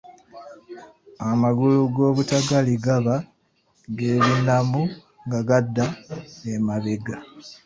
Amagulu g’obutagali gaba geebinamu nga gadda emabega.